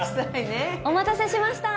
ねえ。お待たせしました！